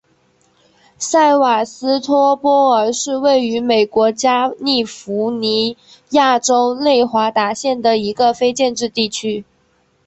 塞瓦斯托波尔是位于美国加利福尼亚州内华达县的一个非建制地区。